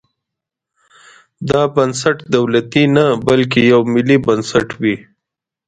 دا بنسټ دولتي نه بلکې یو ملي بنسټ وي.